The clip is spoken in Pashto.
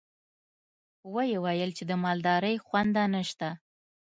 ويې ويل چې د مالدارۍ خونده نشته.